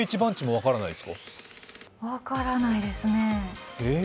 分からないですね